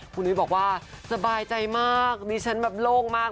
คุณนุ้ยบอกว่าสบายใจมากดิฉันแบบโล่งมาก